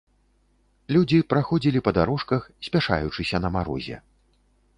Людзі праходзілі па дарожках, спяшаючыся на марозе.